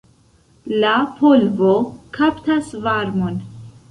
La polvo kaptas varmon.